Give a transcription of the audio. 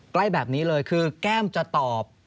ใกล้แบบนี้เลยคือแก้มจะตอบ